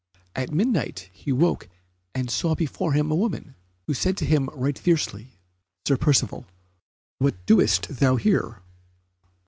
At midnight he waked and saw before him a woman, who said to him right fiercely, "Sir Percivale, what doest thou here?"